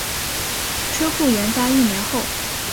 车库研发一年后